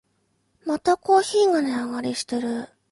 またコーヒーが値上がりしてる